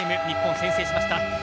日本、先制しました。